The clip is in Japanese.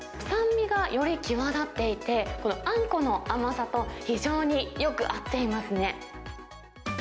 酸味がより際立っていて、このあんこの甘さと非常によく合っていますね。